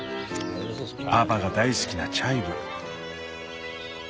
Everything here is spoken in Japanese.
パパが大好きなチャイブ。